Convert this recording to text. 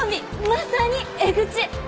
まさにエグチ！